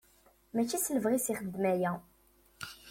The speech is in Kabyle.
Mačči s lebɣi-s i ixeddem aya.